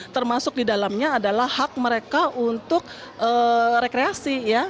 termasuk di dalamnya adalah hak mereka untuk rekreasi ya